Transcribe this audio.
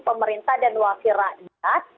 pemerintah dan wakil rakyat